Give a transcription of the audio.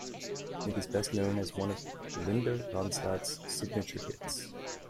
It is best known as one of Linda Ronstadt's signature hits.